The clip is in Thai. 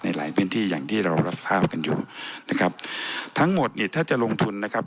หลายพื้นที่อย่างที่เรารับทราบกันอยู่นะครับทั้งหมดเนี่ยถ้าจะลงทุนนะครับ